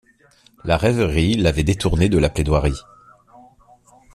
La rêverie l’avait détourné de la plaidoirie.